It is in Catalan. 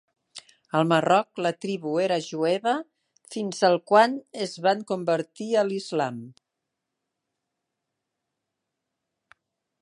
Al Marroc la tribu era jueva fins al quan es van convertir a l'islam.